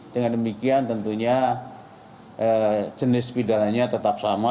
dengan demikian tentunya jenis pidananya tetap sama